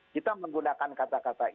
kita menggunakan kata kata